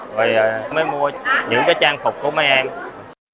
rồi mới mua những cái trang phục của mấy em